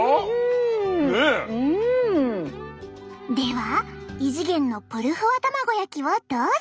では異次元のぷるふわ卵焼きをどうぞ！